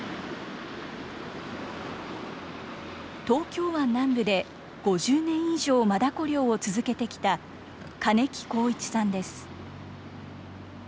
東京湾南部で５０年以上、マダコ漁を続けてきた金木幸市さんです。